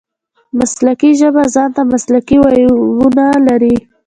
مسلکي ژبه ځان ته مسلکي وییونه لري.